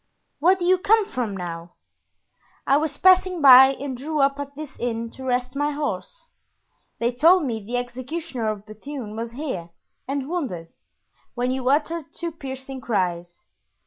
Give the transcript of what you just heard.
"Where do you come from now?" "I was passing by and drew up at this inn to rest my horse. They told me the executioner of Bethune was here and wounded, when you uttered two piercing cries.